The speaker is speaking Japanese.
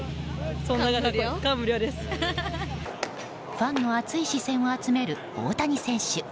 ファンの熱い視線を集める大谷選手。